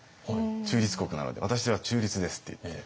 中立国なので私は中立ですって言って。